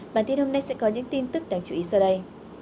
bản tin hôm nay sẽ có những tin tức đáng chú ý sau đây